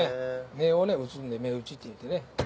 目を打つんで目打ちって言ってね。